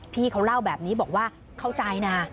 พี่เขาเล่าแบบนี้บอกว่าเข้าใจนะ